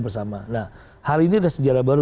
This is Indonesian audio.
bersama nah hari ini ada sejarah baru